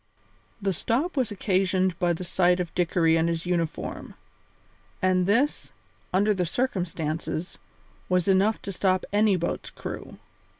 The stop was occasioned by the sight of Dickory in his uniform; and this, under the circumstances, was enough to stop any boat's crew.